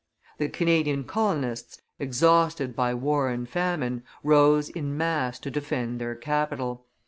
The Canadian colonists, exhausted by war and famine, rose in mass to defend their capital.